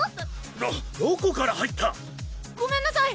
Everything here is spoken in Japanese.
どどこから入った⁉ごめんなさい